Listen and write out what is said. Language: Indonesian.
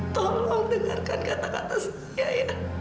tolong dengarkan kata kata saya ya